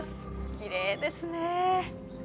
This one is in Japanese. きれいですねぇ。